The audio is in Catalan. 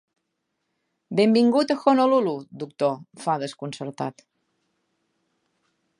Benvingut a Honolulu, doctor —fa, desconcertat—.